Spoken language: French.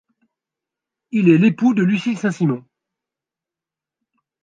Il est l'époux de Lucile Saint-Simon.